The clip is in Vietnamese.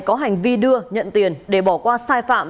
có hành vi đưa nhận tiền để bỏ qua sai phạm